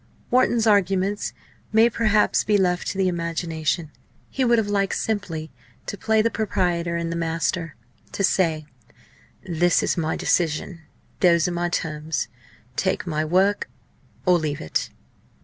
Wharton's arguments may perhaps be left to the imagination. He would have liked simply to play the proprietor and the master to say, "This is my decision, those are my terms take my work or leave it."